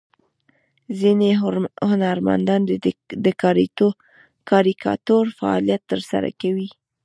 ځینې هنرمندان د کاریکاتور فعالیت ترسره کوي.